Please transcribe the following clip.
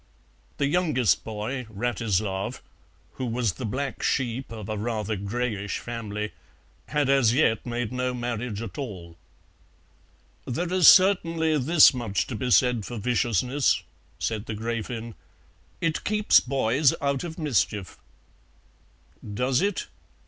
The youngest boy, Wratislav, who was the black sheep of a rather greyish family, had as yet made no marriage at all. "There is certainly this much to be said for viciousness," said the Gräfin, "it keeps boys out of mischief." "Does it?"